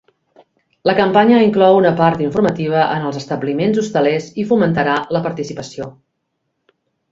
La campanya inclou una part informativa en els establiments hostalers i fomentarà la participació.